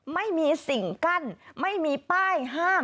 ไม่มีสิ่งกั้นไม่มีป้ายห้าม